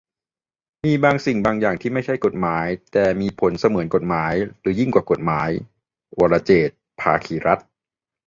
"มีบางสิ่งบางอย่างที่ไม่ใช่กฎหมาย แต่มีผลเสมือนเป็นกฎหมาย หรือยิ่งกว่ากฎหมาย" - วรเจตน์ ภาคีรัตน์